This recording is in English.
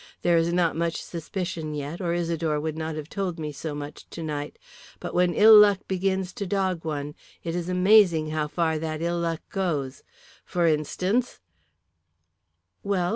There is not much suspicion yet, or Isidore would not have told me so much tonight. But when ill luck begins to dog one, it is amazing how far that ill luck goes. For instance " "Well?